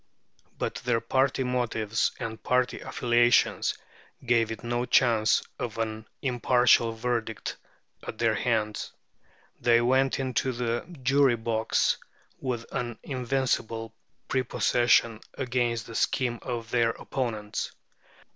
But their party motives and party affiliations gave it no chance of an impartial verdict at their hands. They went into the jury box with an invincible prepossession against the scheme of their opponents.